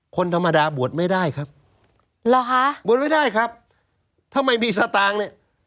คนธรรมดาบวชไม่ได้ครับหรอคะบวชไม่ได้ครับถ้าไม่มีสตางค์เนี่ย